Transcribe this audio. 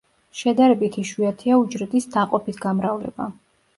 შედარებით იშვიათია უჯრედის დაყოფით გამრავლება.